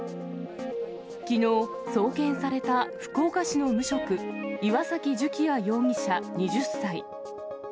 きのう、送検された福岡市の無職、岩崎樹輝弥容疑者２０歳。